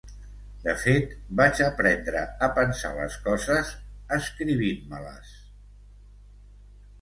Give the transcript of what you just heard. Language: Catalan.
De fet, vaig aprendre a pensar les coses escrivint-me-les.